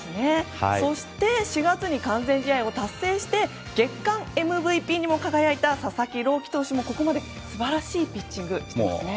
そして、４月に完全試合を達成して月間ＭＶＰにも輝いた佐々木朗希投手もここまで素晴らしいピッチングしてますね。